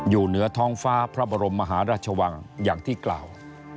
อยู่เหนือท้องฟ้าพระบรมมหาราชวังอย่างที่กล่าว